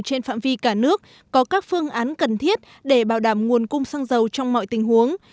trên phạm vi cả nước có các phương án cần thiết để bảo đảm nguồn cung xăng dầu trong mọi tình huống